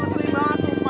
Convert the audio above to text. sering banget sumpah